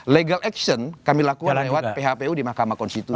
legal action kami lakukan lewat phpu di mahkamah konstitusi